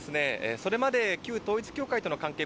それまで旧統一教会との関係